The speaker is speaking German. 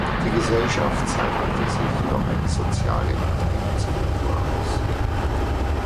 Die Gesellschaft zeichnete sich durch eine soziale Unternehmenskultur aus.